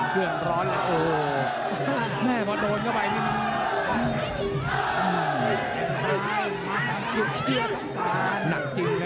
เผื่อนร้อนโอ้วแม่งก็โดนเข้าไป